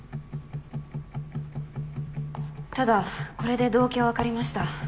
ただこれで動機は分かりました。